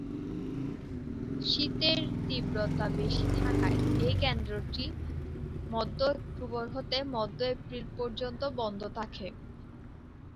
শীতের তীব্রতা বেশি থাকায় এই কেন্দ্রটি মধ্যে অক্টোবর হতে মধ্য এপ্রিল পর্যন্ত বন্ধ থাকে।